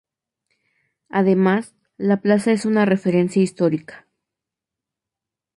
Además, la plaza es una referencia histórica.